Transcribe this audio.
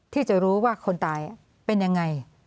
ที่จะรู้ว่าคนตายเป็นยังไง